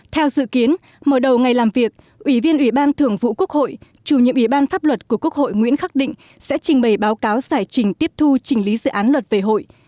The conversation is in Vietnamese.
theo dự kiến mở đầu ngày làm việc ủy viên ủy ban thưởng vụ quốc hội chủ nhiệm ủy ban pháp luật của quốc hội nguyễn khắc định sẽ trình bày báo cáo giải trình tiếp thu trình lý dự án luật về hội